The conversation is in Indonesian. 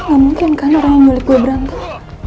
gak mungkin kan orang yang milik gue berantem